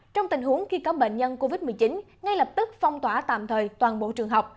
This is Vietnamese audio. trong tình huống khi có bệnh nhân covid một mươi chín ngay lập tức phong tỏa tạm thời toàn bộ trường học